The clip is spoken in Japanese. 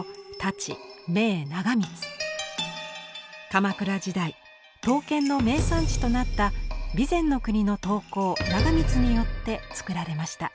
鎌倉時代刀剣の名産地となった備前国の刀工長光によって作られました。